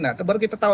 nah baru kita tahu